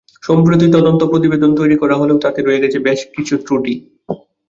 সম্প্রতি তদন্ত প্রতিবেদন তৈরি করা হলেও তাতে রয়ে গেছে বেশ কিছু ত্রুটি।